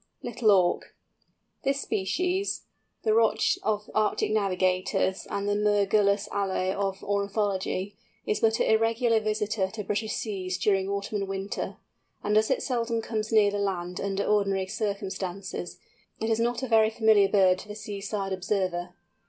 LITTLE AUK. This species, the Rotche of Arctic navigators, and the Mergulus alle of ornithology, is but an irregular visitor to British seas during autumn and winter, and as it seldom comes near the land under ordinary circumstances, is not a very familiar bird to the seaside observer.